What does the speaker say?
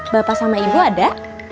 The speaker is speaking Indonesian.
bapak sama ibu ada